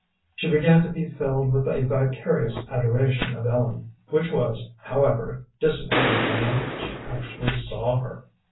She began to be filled with a vicarious adoration of Ellen, which was, however, dissipated the moment she actually saw her.